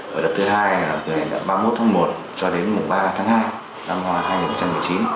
và đợt thứ hai là từ ngày ba mươi một tháng một cho đến mùng ba tháng hai năm hai nghìn một mươi chín